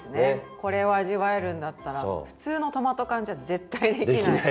これを味わえるんだったら普通のトマト缶じゃ絶対できない。